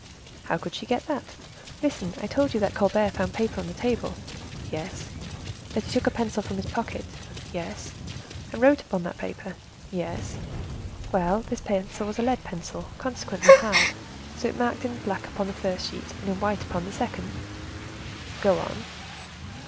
"How could she get that?" "Listen; I told you that Colbert found paper on the table." "Yes." "That he took a pencil from his pocket." "Yes." "And wrote upon that paper." "Yes." "Well, this pencil was a lead pencil, consequently hard; so, it marked in black upon the first sheet, and in white upon the second." "Go on."